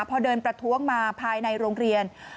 พอเดินประท้วงมาภายในโรงเรียน